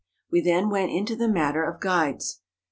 We then went into the matter of guides.